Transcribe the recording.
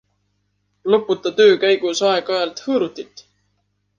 Loputa töö käigus aeg-ajalt hõõrutit.